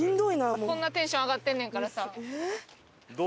こんなテンション上がってんねんからさ。